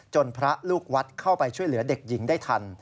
พระลูกวัดเข้าไปช่วยเหลือเด็กหญิงได้ทัน